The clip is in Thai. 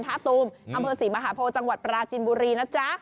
ตูมอำเภอศรีมหาโพจังหวัดปราจินบุรีนะจ๊ะ